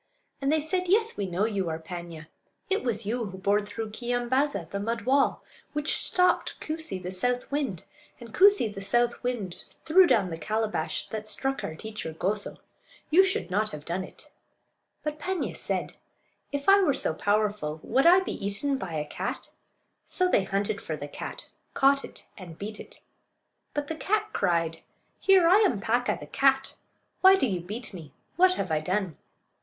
And they said: "Yes, we know you are Paanya; it was you who bored through Keeyambaaza, the mud wall; which stopped Koosee, the south wind; and Koosee, the south wind, threw down the calabash that struck our teacher Goso. You should not have done it." But Paanya said, "If I were so powerful would I be eaten by a cat?" So they hunted for the cat, caught it, and beat it. But the cat cried: "Here! I am Paa'ka, the cat. Why do you beat me? What have I done?"